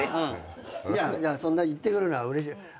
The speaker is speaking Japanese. そんな言ってくれるのはうれしい。